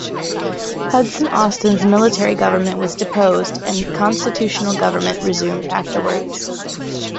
Hudson Austin's military government was deposed and constitutional government resumed afterward.